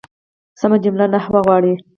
سمه جمله نحوه غواړي.